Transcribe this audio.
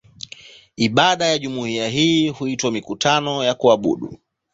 Ibada za jumuiya hii huitwa "mikutano ya kuabudu".